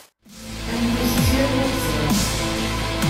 Annuz d tirrugza.